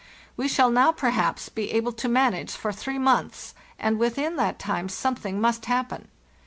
We shall now, perhaps, be able to manage for three months, and within that time something must hap pen.